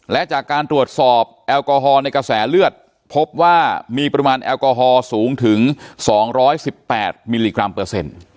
และจากการตรวจสอบแอลกอฮอลในกระแสเลือดพบว่ามีปริมาณแอลกอฮอลสูงถึง๒๑๘มิลลิกรัมเปอร์เซ็นต์